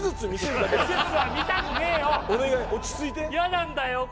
なんだよ？